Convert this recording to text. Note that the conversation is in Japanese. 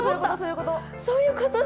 そういうことだ！